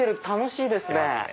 楽しいですね。